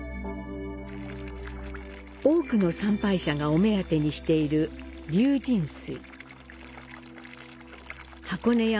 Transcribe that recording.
多くの参拝者がお目当てにしている「龍神水」。